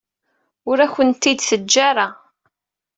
Ur ak-tent-id-teǧǧa ara.